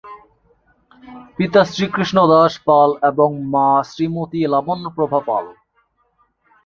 পিতা শ্রীকৃষ্ণ দাস পাল এবং মা শ্রীমতি লাবণ্য প্রভা পাল।